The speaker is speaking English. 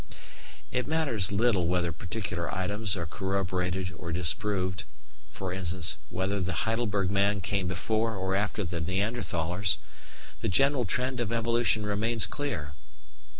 It matters little whether particular items are corroborated or disproved e.g. whether the Heidelberg man came before or after the Neanderthalers the general trend of evolution remains clear.